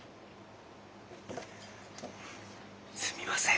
すみません。